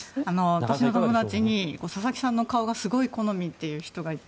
私の友達に佐々木さんの顔がすごい好みという方がいて。